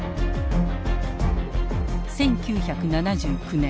１９７９年。